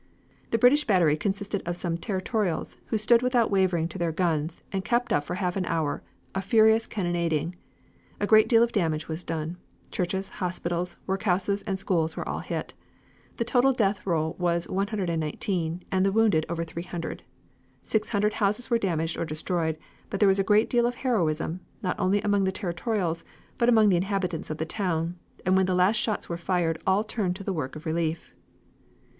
The British battery consisted of some territorials who stood without wavering to their guns and kept up for half an hour a furious cannonading. A great deal of damage was done; churches, hospitals, workhouses and schools were all hit. The total death roll was 119, and the wounded over 300. Six hundred houses were damaged or destroyed, but there was a great deal of heroism, not only among the territorials, but among the inhabitants of the town, and when the last shots were fired all turned to the work of relief.